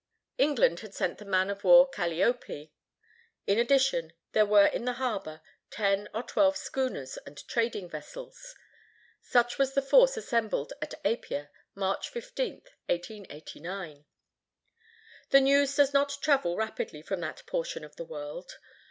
England had sent the man of war Calliope. In addition, there were in the harbor ten or twelve schooners and trading vessels. Such was the force assembled at Apia, March 15, 1889. The news does not travel rapidly from that portion of the world.